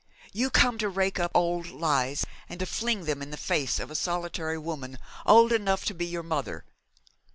'You come to rake up old lies, and to fling them in the face of a solitary woman, old enough to be your mother.